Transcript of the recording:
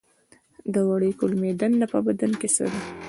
د وړې کولمې دنده په بدن کې څه ده